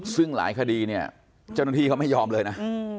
ซึ่งหลายคดีเนี่ยเจ้าหน้าที่เขาไม่ยอมเลยนะ